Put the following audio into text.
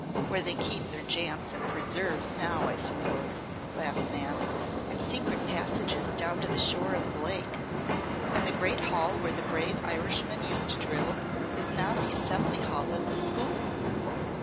"Where they keep their jams and preserves, now, I suppose?" laughed Nan. "And secret passages down to the shore of the lake. And the great hall where the brave Irishmen used to drill is now the assembly hall of the school."